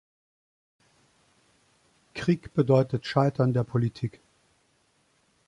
Krieg bedeutet Scheitern der Politik.